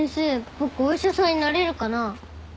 僕お医者さんになれるかな？